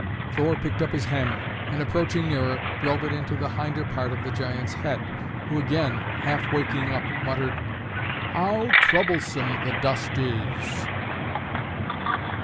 Thor picked up his hammer, and approaching nearer drove it into the hinder part of the giant's head, who again, half waking up, muttered, "How troublesome the dust is!"